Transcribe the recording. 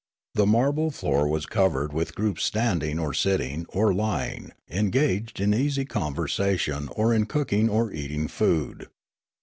The marble floor was covered with groups standing, or sitting, or lying, engaged in easy conversation or in cooking or eating food.